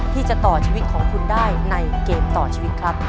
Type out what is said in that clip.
ที่จะต่อชีวิตของคุณได้ในเกมต่อชีวิตครับ